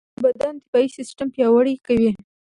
کچالو د بدن دفاعي سیستم پیاوړی کوي.